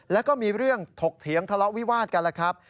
แล้วก็มีเรื่องถกเถียงทะเลาะวิวาสกัน